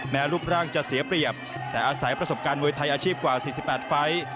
รูปร่างจะเสียเปรียบแต่อาศัยประสบการณ์มวยไทยอาชีพกว่า๔๘ไฟล์